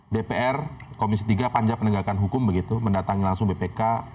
dpr komisi tiga panja penegakan hukum begitu mendatangi langsung bpk